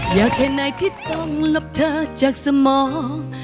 อย่าแค่ไหนที่ต้องลบเธอจากสมอง